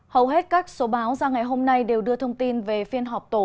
hầu hết các số báo ra ngày hôm nay đều đưa thông tin về phiên họp tổ